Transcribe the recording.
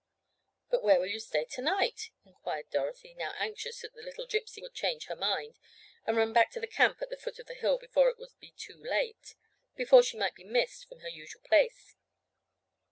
"But where will you stay to night?" inquired Dorothy, now anxious that the little Gypsy would change her mind, and run back to the camp at the foot of the hill before it would be too late—before she might be missed from her usual place.